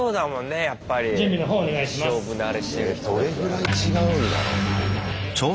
えどれぐらい違うんだろうな。